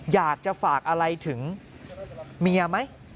อยากจะฝากอะไรถึงเมียไหม